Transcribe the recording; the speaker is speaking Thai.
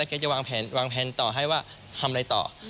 แล้วแกจะวางแผนต่อให้ว่าทำอะไรต่อ